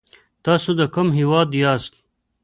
تاسو د کوم هېواد یاست ؟